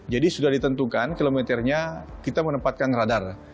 jadi sudah ditentukan kilometernya kita menempatkan radar